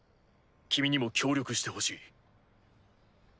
君にも協力してほしい。